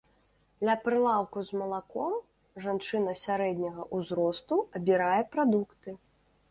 Ля прылаўку з малаком жанчына сярэдняга ўзросту абірае прадукты.